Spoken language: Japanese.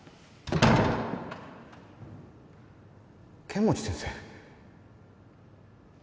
剣持先生。